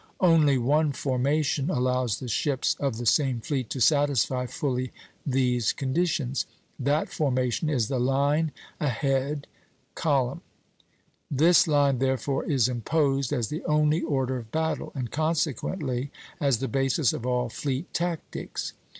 Only one formation allows the ships of the same fleet to satisfy fully these conditions. That formation is the line ahead [column]. This line, therefore, is imposed as the only order of battle, and consequently as the basis of all fleet tactics.